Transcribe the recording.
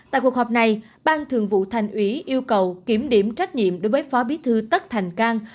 tại cuộc họp này ban thường vụ thành ủy yêu cầu kiểm điểm trách nhiệm đối với phó bí thư tất thành cang